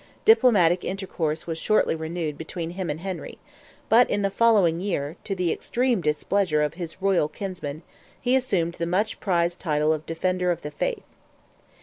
Diplomatic intercourse was shortly renewed between him and Henry, but, in the following year, to the extreme displeasure of his royal kinsman, he assumed the much prized title of "Defender of the Faith."